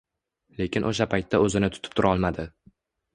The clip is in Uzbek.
Lekin o`sha paytda o`zini tutib turolmadi